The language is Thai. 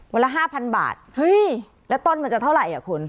วันละห้าพันบาทเฮ้ยแล้วต้นมันจะเท่าไหร่อ่ะคุณ